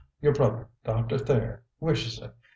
Your brother, Doctor Thayer, wishes it.